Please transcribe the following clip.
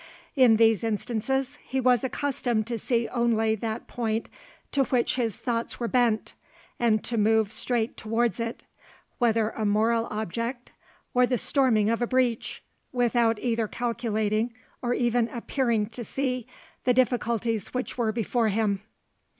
In these instances he was accustomed to see only that point to which his thoughts were bent, and to move straight towards it, whether a moral object, or the storming of a breach, without either calculating, or even appearing to see, the difficulties which were before him.